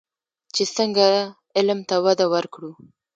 چې څنګه علم ته وده ورکړو.